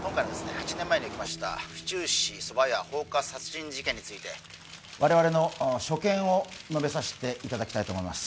８年前に起きました府中市蕎麦屋放火殺人事件について我々の所見を述べさせていただきたいと思います